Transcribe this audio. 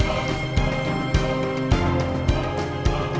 hape papa ketinggalan lagi di charge soalnya